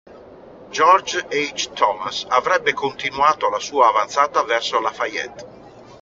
George H. Thomas avrebbe continuato la sua avanzata verso LaFayette.